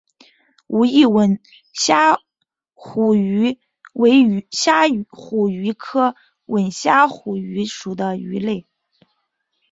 武义吻虾虎鱼为虾虎鱼科吻虾虎鱼属的鱼类。